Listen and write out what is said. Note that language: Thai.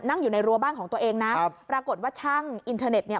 นั่งอยู่ในรัวบ้านของตัวเองนะครับปรากฏว่าช่างอินเทอร์เน็ตเนี่ย